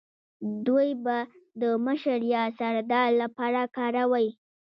دوی به د مشر یا سردار لپاره کاروی